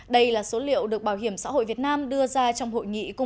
đây là số liệu được bảo hiểm xã hội việt nam đưa ra trong hội nghị